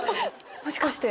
もしかして？